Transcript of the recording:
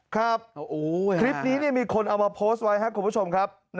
ครับคลิปนี้มีคนเอามาโพสต์ไว้ครับ